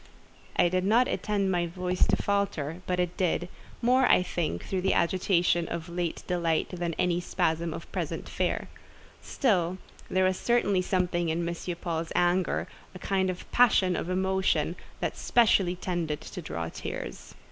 I did not intend my voice to falter, but it did: more, I think, through the agitation of late delight than in any spasm of present fear. Still there certainly was something in M. Paul's anger—a kind of passion of emotion—that specially tended to draw tears.